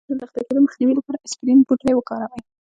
د وینې د لخته کیدو مخنیوي لپاره اسپرین بوټی وکاروئ